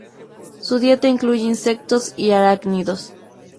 Su dieta incluye insectos y arácnidos.